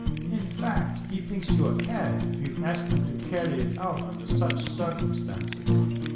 In fact, he thinks you a cad if you ask him to carry it out under such circumstances.